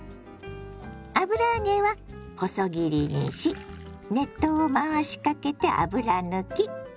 油揚げは細切りにし熱湯を回しかけて油抜き。